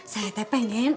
saya teh pengen